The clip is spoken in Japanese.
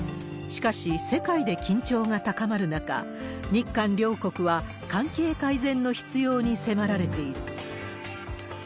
しかし、世界で緊張が高まる中、日韓両国は関係改善の必要に迫られている。